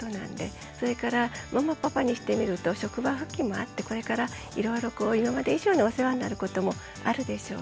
それからママパパにしてみると職場復帰もあってこれからいろいろ今まで以上にお世話になることもあるでしょうね。